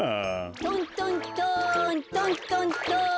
トントントントントントン。